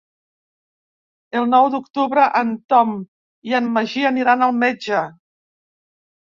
El nou d'octubre en Tom i en Magí aniran al metge.